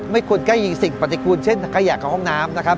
ไม่ควรแก้ยิงสิ่งปฏิกูลเช่นขยะกับห้องน้ำนะครับ